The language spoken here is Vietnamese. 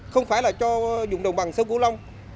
không phải là cho vùng đồng bằng sâu cửu long